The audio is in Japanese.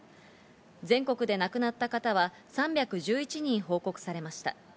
全国で亡くなった方は３１１人報告されました。